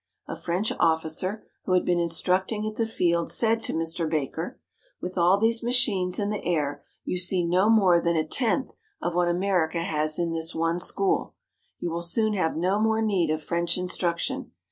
A French officer, who had been instructing at the field, said to Mr. Baker: "With all these machines in the air, you see no more than a tenth of what America has in this one school. You will soon have no more need of French instruction.